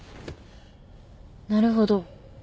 なるほど。